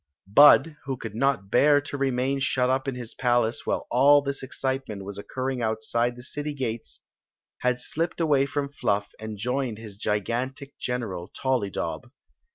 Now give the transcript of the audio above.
Bud, who could not bem to remain shut up in his palace while all this excitement was occurring outside the city gates, had slipped away from Fluff and joined his gigantic |^eral, Tollydob.